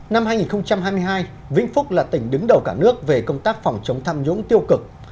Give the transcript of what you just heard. năm hai nghìn hai mươi hai vĩnh phúc là tỉnh đứng đầu cả nước về công tác phòng chống tham nhũng tiêu cực